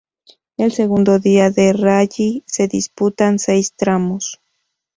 El segundo día de rally se disputan seis tramos.